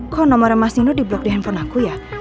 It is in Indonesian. kok nomornya mas nino diblok di handphone aku ya